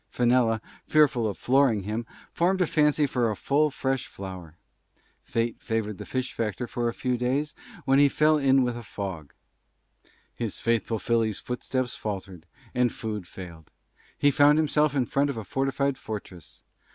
Fenella, Fearful of Flooring him, Formed a Fancy For a Full Fresh Flower. Fate Favoured the Fish Factor For a Few days, when he Fell in with a Fog. His Faithful Filly's Footsteps Faltered, and Food Failed. He Found himself in Front of a Fortified Fortress.